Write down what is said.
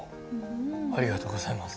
ありがとうございます。